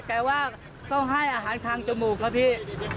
แต่ว่าต้องให้อาหารทางจมูกครับพี่